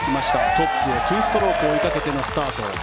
トップを２ストローク追いかけてのスタート。